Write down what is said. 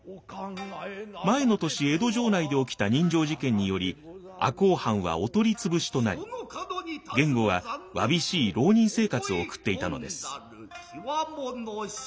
前の年江戸城内で起きた刃傷事件により赤穂藩はお取り潰しとなり源吾はわびしい浪人生活を送っていたのです。